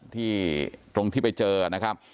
ตรงที่ไปเจอนะครับ